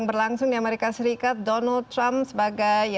termasuk dalam hal ekonomi